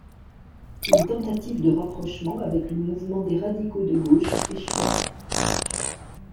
Une tentative de rapprochement avec le Mouvement des radicaux de gauche échoua.